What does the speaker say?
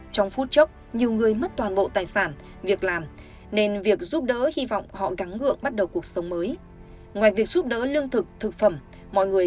trong phút chốc nhiều người mất toàn bộ tài sản việc làm nên việc giúp đỡ hy vọng họ gắn ngượng bắt đầu cuộc sống mới